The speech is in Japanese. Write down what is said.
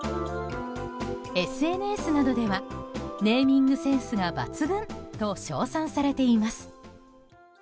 ＳＮＳなどではネーミングセンスが抜群と称賛されています。